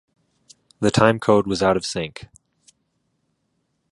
The timecode was out of sync.